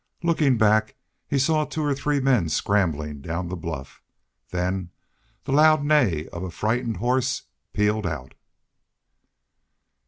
Looking back, he saw two or three men scrambling down the bluff. Then the loud neigh of a frightened horse pealed out.